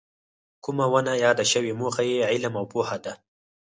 کومه ونه یاده شوې موخه یې علم او پوهه ده.